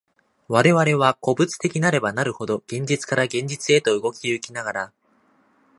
我々は個物的なればなるほど、現実から現実へと動き行きながら、